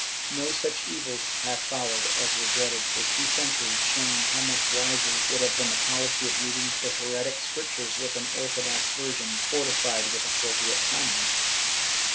No such evils have followed as were dreaded for two centuries, showing how much wiser would have been the policy of meeting the heretic Scriptures with an orthodox version, fortified with appropriate comments.